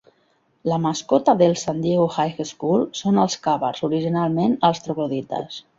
La mascota del San Diego High School són els Cavers, originalment els troglodites.